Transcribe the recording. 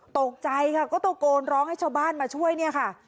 ตกใจค่ะก็ตะโกนร้องให้ชาวบ้านมาช่วยเนี่ยค่ะ